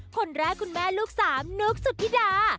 คนแรกคุณแม่ลูกสามนุกสุธิดา